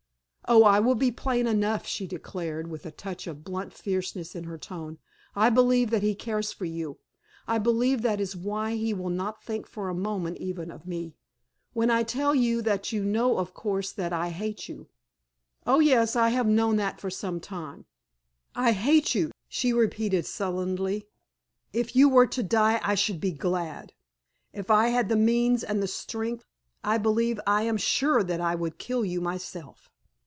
"Oh, I will be plain enough," she declared, with a touch of blunt fierceness in her tone. "I believe that he cares for you, I believe that is why he will not think for a moment even of me. When I tell you that you know of course that I hate you." "Oh, yes, I have known that for some time." "I hate you!" she repeated, sullenly. "If you were to die I should be glad. If I had the means and the strength, I believe, I am sure that I would kill you myself."